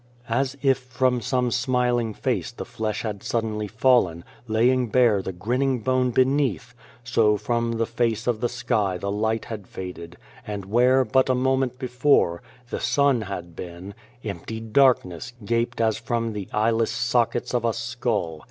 As if from some smiling face the flesh had suddenly fallen, laying bare the grinning bone beneath, so from the face of the sky the light 139 The Face had faded, and where, but a moment before, the sun had been empty darkness gaped as from the eyeless sockets of a skull.